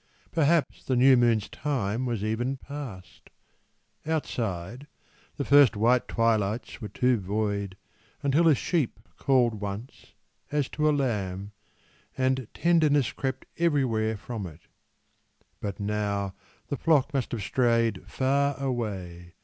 Perhaps the new moon's time was even past. Outside, the first white twilights were too void Until a sheep called once, as to a lamb, And tenderness crept everywhere from it; But now the flock must have strayed far away.